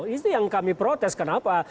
itu yang kami protes kenapa